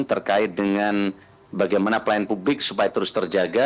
terkait dengan bagaimana pelayanan publik supaya terus terjaga